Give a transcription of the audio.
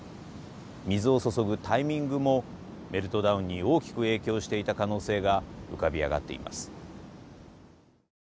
水を注ぐタイミングもメルトダウンに大きく影響していた可能性が浮かび上がっています。